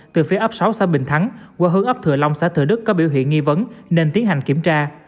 từ phía ấp sáu xã bình thắng qua hướng ấp thừa long xã thừa đức có biểu hiện nghi vấn nên tiến hành kiểm tra